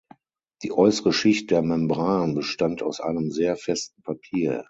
Die äußere Schicht der Membran bestand aus einem sehr festen Papier.